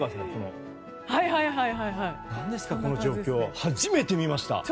何ですかこの状況初めて見ました。